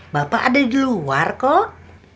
bapak ada di luar kok